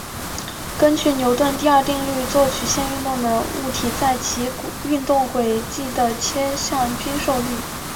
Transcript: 根据牛顿第二定律做曲线运动的物体在其运动轨迹的切向均受力。